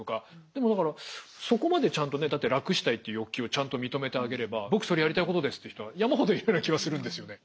でもだからそこまでちゃんとねだって楽したいっていう欲求をちゃんと認めてあげれば僕それやりたいことですっていう人は山ほどいるような気はするんですよね。